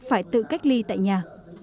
phải tự cách ly tại nhà